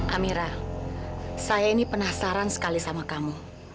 amira saya ini penasaran sekali sama kamu